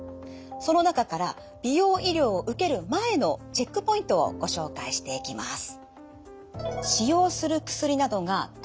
その中から美容医療を受ける前のチェックポイントをご紹介していきます。